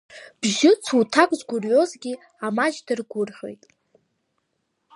Быжь-цуҭак згәырҩозгьы амаҷ даргәырӷьоит.